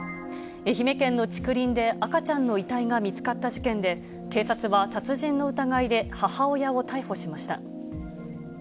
愛媛県の竹林で、赤ちゃんの遺体が見つかった事件で、警察は殺人の疑いで母親を逮捕しました。